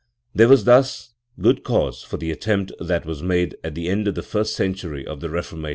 There was thus good cause for the attempt that was made, at the end of the first century of the Reformation, Rietschel, p.